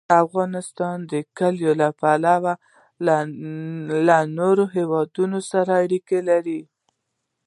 افغانستان د کلي له پلوه له نورو هېوادونو سره اړیکې لري.